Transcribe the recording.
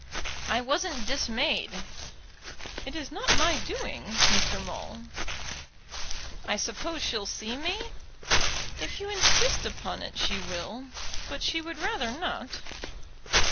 "I wasn't dismayed." "It is not my doing, Mr. Maule." "I suppose she'll see me?" "If you insist upon it she will; but she would rather not."